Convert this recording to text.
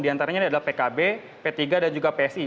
di antaranya adalah pkb p tiga dan juga psi